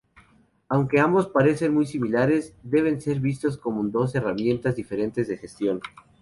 Aunque ambos parecen muy similares, deben ser vistos como dos herramientas diferentes de gestión.